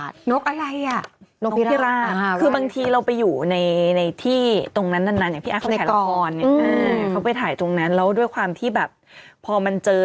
บอกว่าะทุกคนก็ทำหน้าเหมือนพี่ภัทรอยู่เหรอ